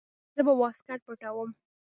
زه به واسکټ پټاووم.